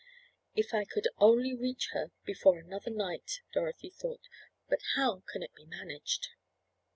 "If I could only reach her before another night," Dorothy thought, "but how can it be managed?"